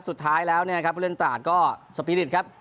สุดท้ายแล้วเนี่ยนะครับผู้เล่นตราดก็สปีริตครับ